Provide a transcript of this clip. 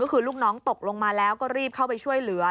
ก็คือลูกน้องตกลงมาแล้วก็รีบเข้าไปช่วยเหลือ